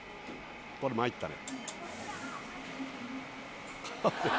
こりゃ参ったね。